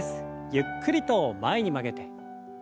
ゆっくりと前に曲げて。